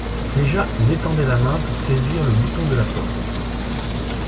Déjà il étendait la main pour saisir le bouton de la porte.